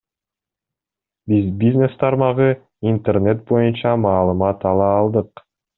Биз бизнес тармагы, интернет боюнча маалымат ала алдык.